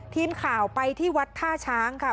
ทีมข่าวไปที่วัดท่าช้างค่ะ